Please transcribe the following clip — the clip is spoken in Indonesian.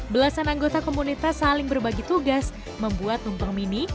belasan anggota komunitas saling berbagi tugas membuat tumpeng mini